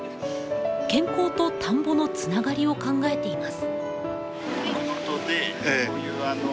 健康と田んぼのつながりを考えています。